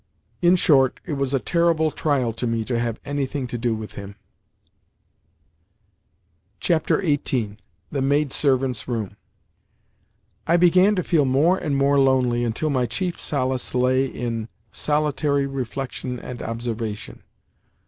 In short, it was a terrible trial to me to have anything to do with him. XVIII. THE MAIDSERVANTS' ROOM I began to feel more and more lonely, until my chief solace lay in solitary reflection and observation.